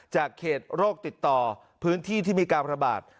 เขตโรคติดต่อพื้นที่ที่มีการระบาด